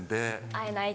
「会えない？」